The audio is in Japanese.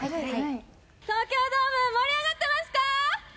「東京ドーム盛り上がってますか？」